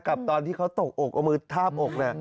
กับตอนที่เขาตกอกเอามือทาบอก